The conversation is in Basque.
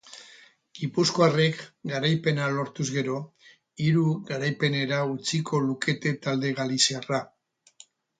Gipuzkoarrek garaipena lortuz gero hiru garaipenera utziko lukete talde galiziarra.